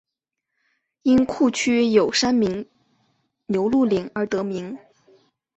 因库区有山名牛路岭而得名。